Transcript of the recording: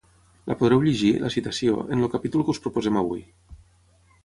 La podreu llegir, la citació, en el capítol que us proposem avui.